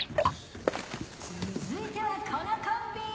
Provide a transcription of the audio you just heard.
・続いてはこのコンビ！